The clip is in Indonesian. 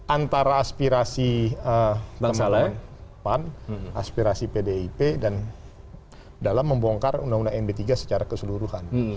antara aspirasi pan aspirasi pdip dan dalam membongkar undang undang md tiga secara keseluruhan